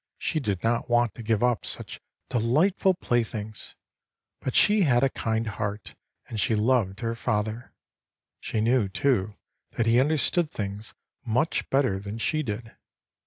She did not want to give up such delightful playthings. But she had a kind heart, and she loved her father. She knew, too, that he understood things much better than she did.